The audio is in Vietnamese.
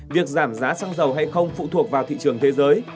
việc giảm giá sang giàu hay không phụ thuộc vào thị trường thế giới